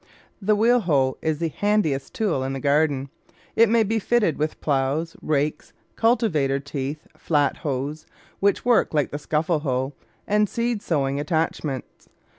The wheel hoe is the handiest tool in the garden. It may be fitted with ploughs, rakes, cultivator teeth, flat hoes, which work like the scuffle hoe, and seed sowing attachments.